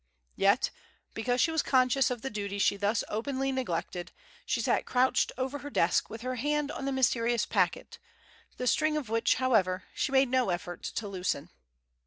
Yet, because she was conscious of the duty she thus openly neglected, she sat crouched over her desk with her hand on the mysterious packet, the string of which, however, she made no effort to loosen.